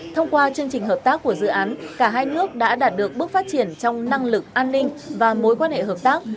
thông qua chương trình hợp tác của dự án cả hai nước đã đạt được bước phát triển trong năng lực an ninh và mối quan hệ hợp tác